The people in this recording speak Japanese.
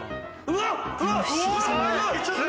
うわっ